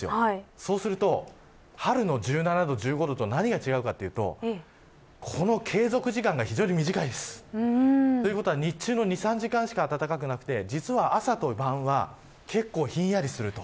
そうすると春の１５度１７度と何が違うかというとこの継続時間が非常に短いです。ということは、日中の２、３時間しか暖かくなくて朝と晩は、結構ひんやりします。